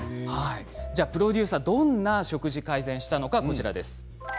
プロデューサーはどんな食事改善したのか、こちらです。